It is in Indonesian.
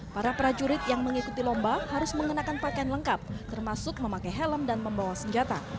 para prajurit yang mengikuti lomba harus mengenakan pakaian lengkap termasuk memakai helm dan membawa senjata